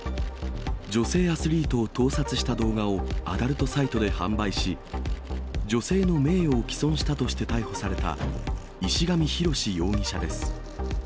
女性アスリートを盗撮した動画をアダルトサイトで販売し、女性の名誉を毀損したとして逮捕された、石上浩志容疑者です。